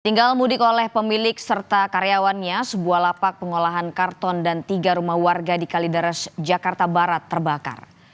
tinggal mudik oleh pemilik serta karyawannya sebuah lapak pengolahan karton dan tiga rumah warga di kalideres jakarta barat terbakar